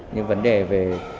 nhưng vấn đề về